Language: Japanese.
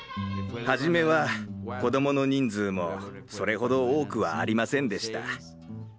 初めは子どもの人数もそれほど多くはありませんでした。